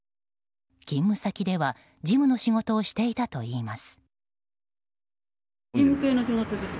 勤務先では事務の仕事をしていたといいます。